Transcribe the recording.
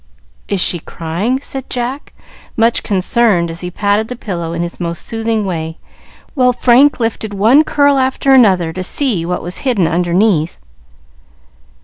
"Is she crying?" said Jack, much concerned as he patted the pillow in his most soothing way, while Frank lifted one curl after another to see what was hidden underneath.